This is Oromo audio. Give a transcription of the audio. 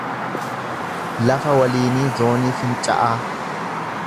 Lafa Waliinii Zoonii Finca’aa